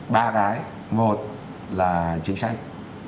ba cái một là chính sách